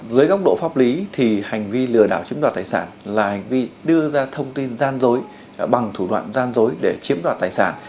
dưới góc độ pháp lý thì hành vi lừa đảo chiếm đoạt tài sản là hành vi đưa ra thông tin gian dối bằng thủ đoạn gian dối để chiếm đoạt tài sản